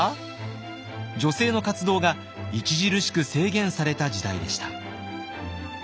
女性の活動が著しく制限された時代でした。